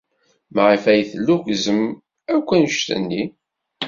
Maɣef ay tellukkzem akk anect-nni?